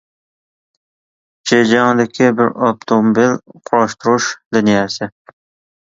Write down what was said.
جېجياڭدىكى بىر ئاپتوموبىل قۇراشتۇرۇش لىنىيەسى.